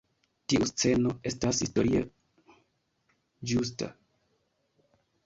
Tiu sceno estas historie ĝusta.